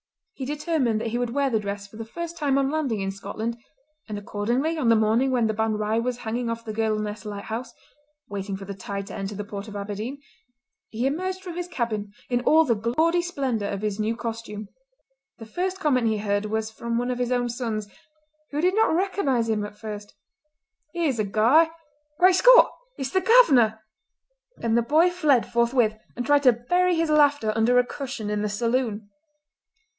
He determined that he would wear the dress for the first time on landing in Scotland, and accordingly on the morning when the Ban Righ was hanging off the Girdle Ness lighthouse, waiting for the tide to enter the port of Aberdeen, he emerged from his cabin in all the gaudy splendour of his new costume. The first comment he heard was from one of his own sons, who did not recognise him at first. "Here's a guy! Great Scott! It's the governor!" And the boy fled forthwith and tried to bury his laughter under a cushion in the saloon.